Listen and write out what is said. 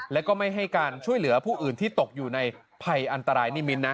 แล้วก็ไม่ให้การช่วยเหลือผู้อื่นที่ตกอยู่ในภัยอันตรายนี่มิ้นนะ